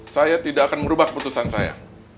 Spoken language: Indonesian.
saya tidak akan merubah keputusan saya